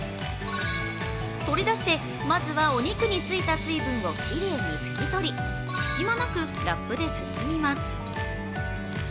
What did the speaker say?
取り出して、まずはお肉についた水分をきれいに拭き取り、隙間なくラップで包みます。